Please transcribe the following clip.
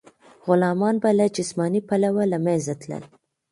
غلامان به له جسماني پلوه له منځه تلل.